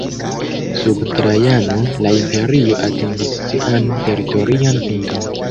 Sub Trajano, la imperio atingis sian teritorian pinton.